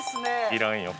いらんよ。